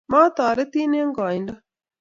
matarotin eng' koindo